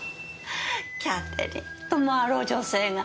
キャテリーヌともあろう女性が？